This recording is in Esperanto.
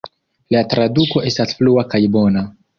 La traduko estas flua kaj bona.